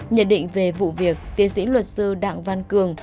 nhận định về vụ việc tiến sĩ luật sư đặng văn cường